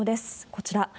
こちら。